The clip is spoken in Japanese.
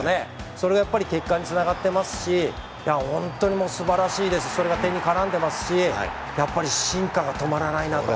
それがやっぱり結果に繋がってますし本当にもう素晴らしいですそれが点に絡んでますしやっぱり進化が止まらないなと。